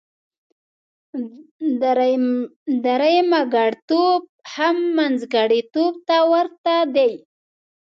درېمګړتوب هم منځګړتوب ته ورته دی.